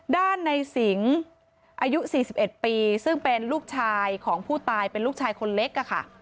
ด้านในสิงอายุ๔๑ปีซึ่งเป็นลูกชายของผู้ตายเป็นลูกชายคนเล็กค่ะ